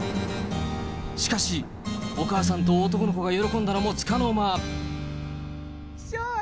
しかし、お母さんと男の子が喜んだのもつかの間。